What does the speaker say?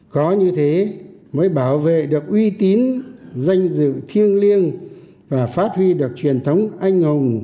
có như thế mới bảo vệ được uy tín danh dự thiêng liêng và phát huy được truyền thống anh hùng